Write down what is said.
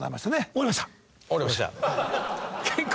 終わりました。